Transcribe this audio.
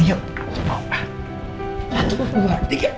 yuk yuk sama opa